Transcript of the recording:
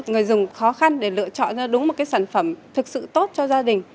người dùng khó khăn để lựa chọn ra đúng một cái sản phẩm thực sự tốt cho gia đình